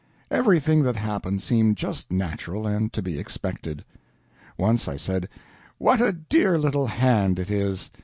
Everything that happened seemed just natural and to be expected. Once I said, "What a dear little hand it is!"